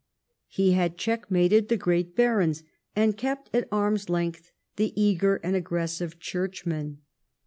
He had checkmated the great barons, and kept at arm's length the eager and aggressive churchmen.